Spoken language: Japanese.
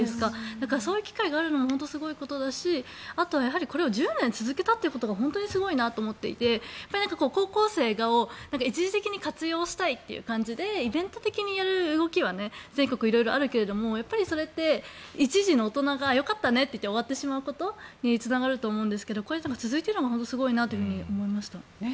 だから、そういう機会があるのも本当にすごいことだしあと、これを１０年続けたことが本当にすごいなと思っていて高校生を一時的に活用したいという感じでイベント的にやるのは全国色々あるけどやはりそれって一時の大人がよかったねって終わってしまうことにつながってしまうので続いているのがすごいなと思いました。